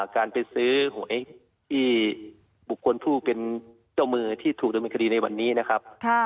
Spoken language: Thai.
การไปซื้อหวยที่บุคคลผู้เป็นเจ้ามือที่ถูกดำเนินคดีในวันนี้นะครับ